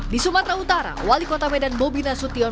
di sumatera utara wali kota medan bobi nasution